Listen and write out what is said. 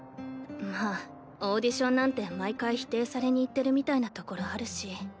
まあオーディションなんて毎回否定されに行ってるみたいなところあるし。